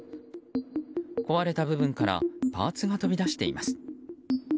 壊れた部分からパーツが飛び出しています。